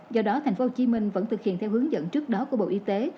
do đó tp hcm vẫn thực hiện theo hướng dẫn trước đó của bộ y tế